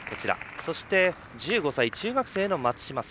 そして、１５歳中学生の松島輝